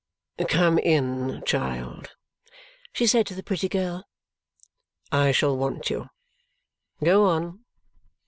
"Come in, child," she said to the pretty girl; "I shall want you. Go on!"